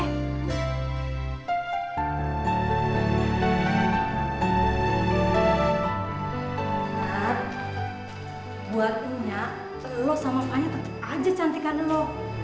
nad buatnya lo sama fanya tetep aja cantikkan lo